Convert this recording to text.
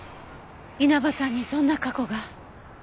稲葉さんにそんな過去が。